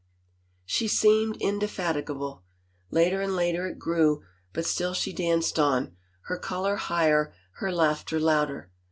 She seemed indefatigable. Later and later it grew but still she danced on, her color higher, her laughter louder.